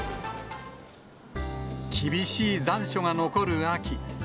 厳しい残暑が残る秋。